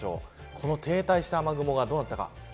この停滞した雨雲がどうなったか。